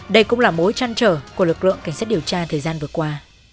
đây cũng là mối trăn trở của lực lượng cảnh sát điều tra thời gian vừa qua